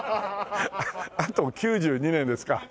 あと９２年ですか。